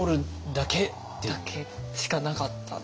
だけしかなかったんで。